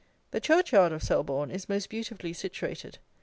The churchyard of Selborne is most beautifully situated.